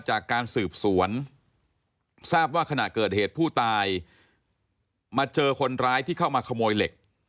จากการสืบสวนทราบว่าขณะเกิดเหตุผู้ตายมาเจอคนร้ายที่เข้ามาขโมยเหล็ก